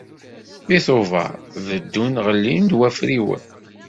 Deg Tubeṛ, beddun ɣellin-d wafriwen.